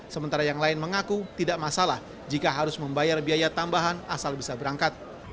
sementara yang lain mengaku tidak masalah jika harus membayar biaya tambahan asal bisa berangkat